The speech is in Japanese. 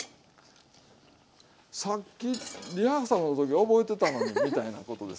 さっきリハーサルの時覚えてたのにみたいなことです。